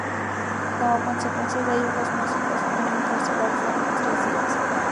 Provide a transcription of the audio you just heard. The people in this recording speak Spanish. Como consecuencia de ello, los músicos fueron encarcelados durante tres días.